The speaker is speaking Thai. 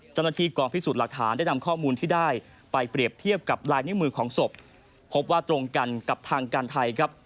เจ้าหน้าที่กองพิสูจน์หลักฐานได้นำข้อมูลที่ได้ไปเปรียบเทียบกับลายนิ้วมือของศพพบว่าตรงกันกับทางการไทยครับ